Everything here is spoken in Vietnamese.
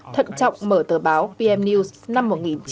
thận trọng mở tờ báo pm news năm một nghìn chín trăm chín mươi bảy